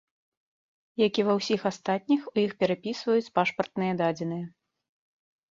Як і ва ўсіх астатніх, у іх перапісваюць пашпартныя дадзеныя.